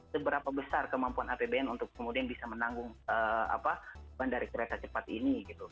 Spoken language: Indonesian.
seberapa besar kemampuan apbn untuk kemudian bisa menanggung bandarik kereta cepat ini gitu